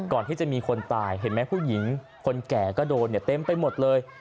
ก่อนที่จะมีคนตายเห็นไหมผู้หญิงคนแก่ก็โดนเต็มไปหมดเลย